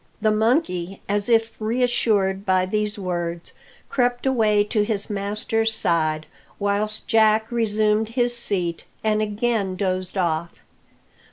The monkey, as if reassured by these words, crept away to his master's side, whilst Jack resumed his seat, and again dozed off.